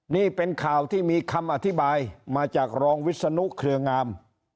นี่เป็นข่าวที่มีคำอธิบายมาจากรองวิศนุเครืองาม